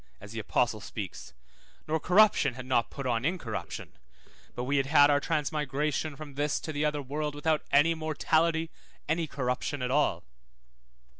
(as the apostle speaks), nor corruption had not put on incorruption, but we had had our transmigration from this to the other world without any mortality, any corruption at all.